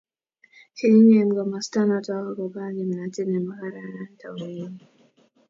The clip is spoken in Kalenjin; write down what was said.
Kigingem komostanoto oo agoba kimnatet nemagararan taunenyi